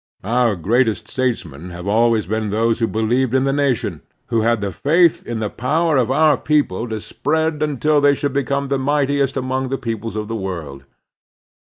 Our greatest statesmen have always been those who believed in the nation — who had faith in the power of our people to spread imtil they should become the mightiest among the peoples of the world.